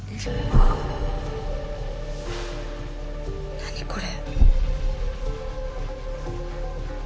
何これ？